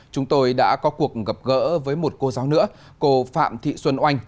chúng tôi đã có cuộc gặp gỡ với một cô giáo nữa cô phạm thị xuân oanh